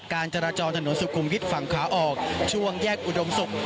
การจราจรถนนสุขุมวิทย์ฝั่งขาออกช่วงแยกอุดมศุกร์